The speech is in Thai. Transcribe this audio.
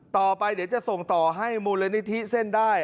ต่อไปเดี๋ยวจะส่งต่อให้มูลนิธิเส้นได้